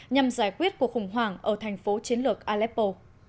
nhằm giải quyết cuộc khủng hoảng ở thành phố chiến lược aleppo